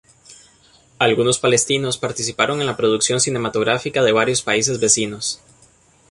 Algunos palestinos participaron en la producción cinematográfica de varios países vecinos.